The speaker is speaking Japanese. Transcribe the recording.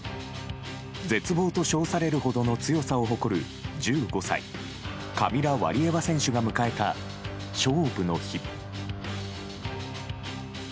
絶望と称されるほどの強さを誇る１５歳カミラ・ワリエワ選手が迎えた勝負の日。